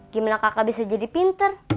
gimana kakak bisa jadi pinter